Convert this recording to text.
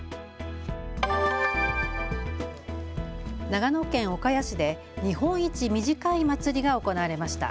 長野県岡谷市で日本一短い祭りが行われました。